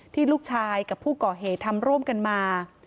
ที่ลูกชายกับผู้ก่อเหตุทำร่วมกันมา